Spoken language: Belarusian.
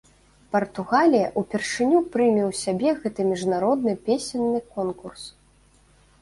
Партугалія ўпершыню прыме ў сябе гэты міжнародны песенны конкурс.